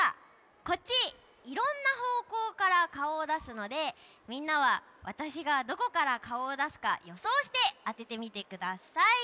いろんなほうこうからかおをだすのでみんなはわたしがどこからかおをだすかよそうしてあててみてください。